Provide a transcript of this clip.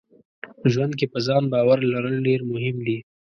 ژوند کې په ځان باور لرل ډېر مهم دي.